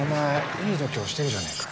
いい度胸してるじゃねえか。